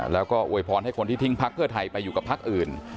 แล้วก็อวยพรให้คนที่ทิ้งพักเพื่อไทยไปอยู่กับพักอื่น